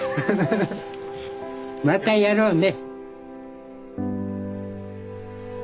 またやろうね。